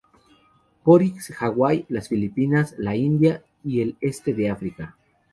Croix, Hawai, las Filipinas, la India y el este de África.